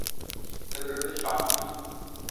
The group is shocked.